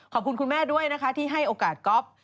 ขอบคุณคุณแม่ด้วยนะคะที่ให้โอกาสก๊อฟ